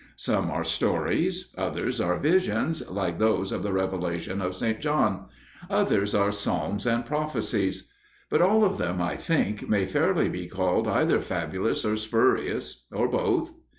Some are stories, others are visions like those in the Revelation of St. John, others are psalms and prophecies. But all of them, I think, may fairly be called either fabulous or spurious, or both.